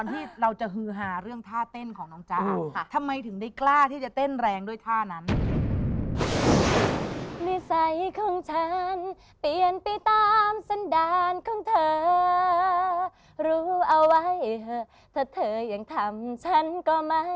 เธอรู้เอาไว้เถอะถ้าเธอยังทำฉันก็ไม่ห่าง